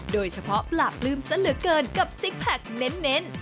โดยเฉพาะปราบลืมซะเหลือเกินกับซิกแพคเน้น